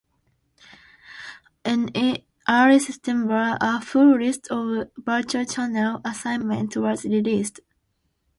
In early September, a full list of virtual channel assignments was released.